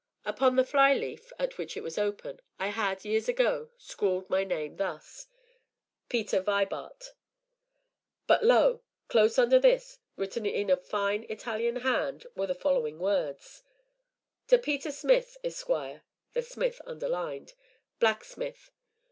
Upon the fly leaf, at which it was open, I had, years ago, scrawled my name thus: PETER VIBART But lo! close under this, written in a fine Italian hand, were the following words: "To Peter Smith, Esq. [the "Smith" underlined] Blacksmith.